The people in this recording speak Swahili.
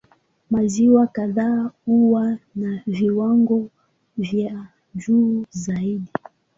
Maziwa kadhaa huwa na viwango vya juu zaidi.